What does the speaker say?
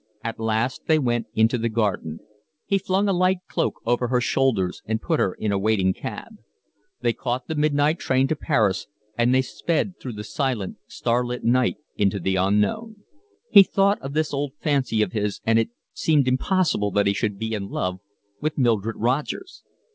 At last they went into the garden. He flung a light cloak over her shoulders and put her in a waiting cab. They caught the midnight train to Paris; and they sped through the silent, star lit night into the unknown. He thought of this old fancy of his, and it seemed impossible that he should be in love with Mildred Rogers.